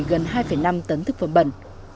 gần hai năm tấn thức phẩm bẩn